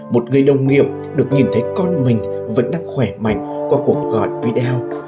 một người đồng nghiệp được nhìn thấy con mình vẫn đang khỏe mạnh qua cuộc gọi video